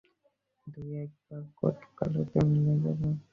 দুই এক বার কাকতালীয়ভাবে মিলে যাবে।